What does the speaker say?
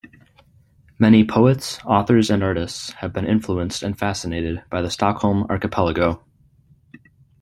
Many poets, authors and artists have been influenced and fascinated by the Stockholm archipelago.